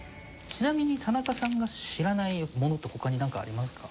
ちなみに田中さんが知らないものって他に何かありますか？